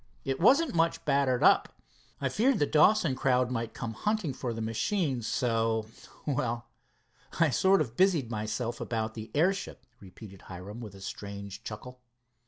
It wasn't much battered up. I feared the Dawson crowd might come hunting for the machine, so well, I sort of busied myself about the airship," repeated Hiram, with a strange chuckle.